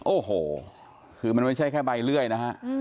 โอ้โหคือมันไม่ใช่แค่ใบเลื่อยนะฮะ